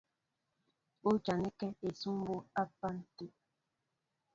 O jaŋɛ́kɛ́ ísʉbɔ́ á pân tə̂.